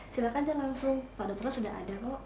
silahkan jangan langsung pak dr sudah ada